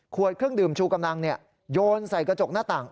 เครื่องดื่มชูกำลังโยนใส่กระจกหน้าต่าง